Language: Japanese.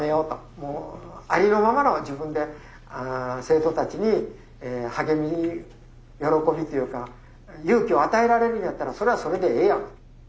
もうありのままの自分で生徒たちに励みに喜びというか勇気を与えられるんやったらそれはそれでええやん。